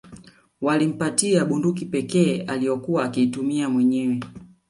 Walimpatia bunduki pekee aliyokuwa akiitumia mwenyewe